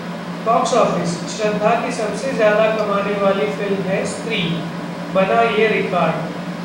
Box office: Shraddha की सबसे ज्यादा कमाने वाली फिल्म है Stree, बना ये रिकॉर्ड